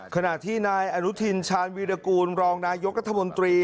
ขณะที่นายอนุทินชาญวีรกูลรองนายกรัฐมนตรี